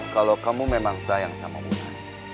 kalau kamu memang sayang sama bunga